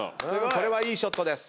これはいいショットです。